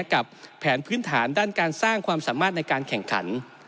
กับแผนพื้นฐานด้านการสร้างความสามารถในการแข่งขัน